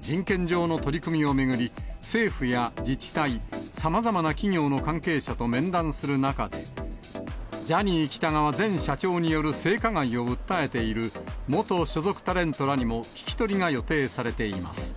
人権上の取り組みを巡り、政府や自治体、さまざまな企業の関係者と面談する中で、ジャニー喜多川前社長による性加害を訴えている元所属タレントらにも聞き取りが予定されています。